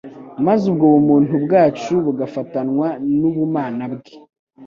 maze ubwo bumuntu bwacu bugafatanwa n'ubumana bwe.